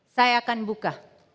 saya akan buka